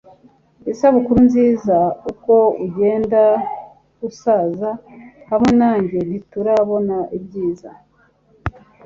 isabukuru nziza uko ugenda usaza hamwe nanjye, ntiturabona ibyiza